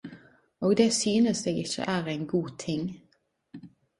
Og det synest eg ikkje er ein god ting.